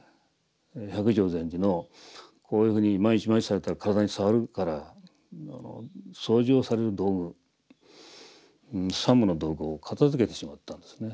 百丈禅師のこういうふうに毎日毎日されたら体に障るから掃除をされる道具作務の道具を片づけてしまったんですね。